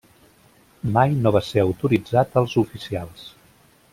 Mai no va ser autoritzat als oficials.